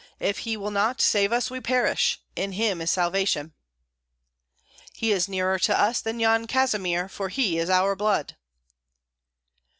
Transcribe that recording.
If he will not save us, we perish, in him is salvation." "He is nearer to us than Yan Kazimir, for he is our blood."